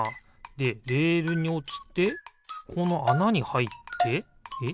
でレールにおちてこのあなにはいってえ？